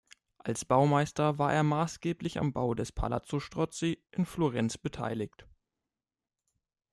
Als Baumeister war er maßgeblich am Bau des Palazzo Strozzi in Florenz beteiligt.